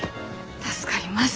助かります。